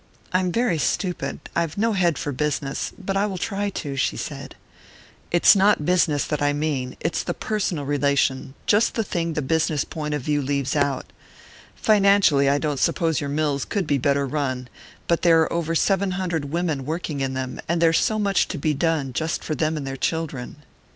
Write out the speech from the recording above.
"I'm very stupid I've no head for business but I will try to," she said. "It's not business that I mean; it's the personal relation just the thing the business point of view leaves out. Financially, I don't suppose your mills could be better run; but there are over seven hundred women working in them, and there's so much to be done, just for them and their children."